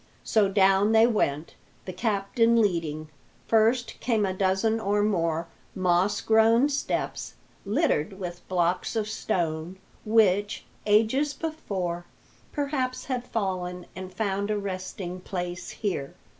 So down they went, the captain leading. First came a dozen or more moss grown steps, littered with blocks of stone, which, ages before, perhaps, had fallen and found a resting place here.